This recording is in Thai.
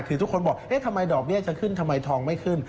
คือทุกคนบอกเอ๊ะทำไมดอกเบี้ยจะขึ้นทำไมทองไม่ขึ้น